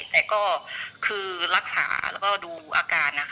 แต่ก็คือรักษาแล้วก็ดูอาการนะคะ